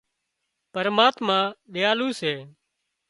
پرماتما ۮيالو سي